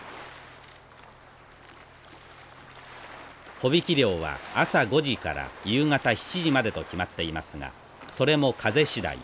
帆引き漁は朝５時から夕方７時までと決まっていますがそれも風次第。